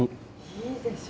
いいでしょ？